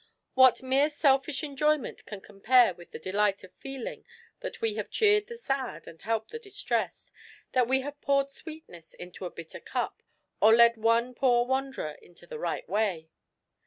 What mere selfish enjoyment can compare with the delight of feeling that we have cheered the sad and helped the distressed, that we have poured sweetness into a bitter cup, or led one poor wanderer into the right way